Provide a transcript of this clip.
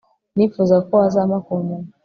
nifuzaga ko wazampa ku nyama